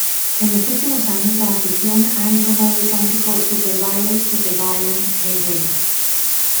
En los últimos años la afición ha entonado el cántico "¡Super-Bayern, Super-Bayern, hey, hey!